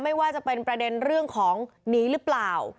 ไม่ว่าจะเป็นประเด็นเรื่องของหนีหรือเปล่า